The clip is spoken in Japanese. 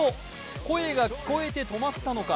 声が聞こえて止まったのか